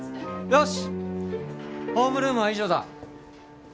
よよしっホームルームは以上だ